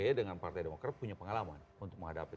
pak sby dengan partai demokrat punya pengalaman untuk menghadapi